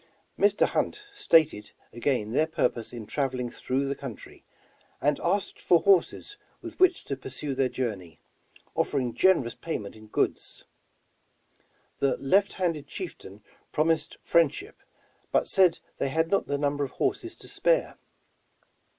Mr, Hunt stated 178 Over the Rockies again their purpose in traveling througli the country, and asked for horses with which to pursue their jour ney, offering generous payment in goods. The left handed chieftain promised friendship, but said they had not the number of horses to spare.